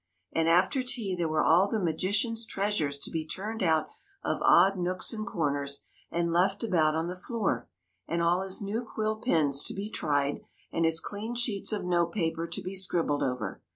And after tea there were all the magician's treasures to be turned out of odd nooks and corners and left about on the floor, and all his new quill pens to be tried, and his clean sheets of note paper to be scribbled over.